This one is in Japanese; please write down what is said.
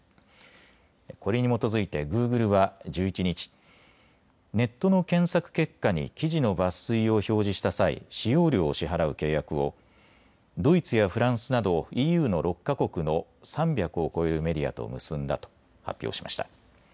これに基づいてグーグルは１１日、ネットの検索結果に記事の抜粋を表示した際、使用料を支払う契約をドイツやフランスなどＥＵの６か国の３００を超えるメディアと結んだと発表しました。